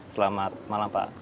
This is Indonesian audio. selamat malam pak